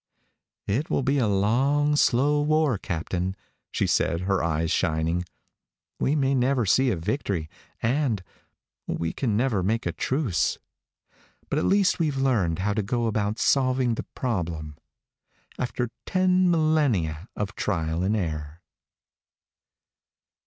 "It will be a long, slow war, Captain," she said, her eyes shining. "We may never see a victory, and we can never make a truce. But at least we've learned how to go about solving the problem after ten millennia of trial and error."